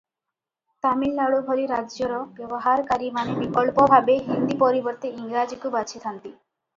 ତାମିଲନାଡ଼ୁ ଭଳି ରାଜ୍ୟର ବ୍ୟବହାରକାରୀମାନେ ବିକଳ୍ପ ଭାବେ ହିନ୍ଦୀ ପରିବର୍ତ୍ତେ ଇଂରାଜୀକୁ ବାଛିଥାନ୍ତି ।